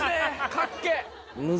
かっけぇ。